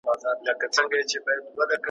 او کرغېړنو کلماتو وینا کوله `